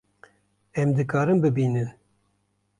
Em dikarin bibînin